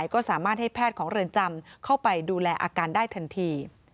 ก็สามารถให้แพทย์ของเรือนจำเข้าไปดูแลอาการได้ทันที